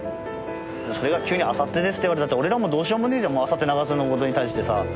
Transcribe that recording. それが急にあさってですって言われたって俺らもどうしようもねえじゃんもうあさって流すようなことに対してさ。